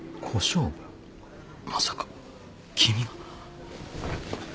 まさか君が。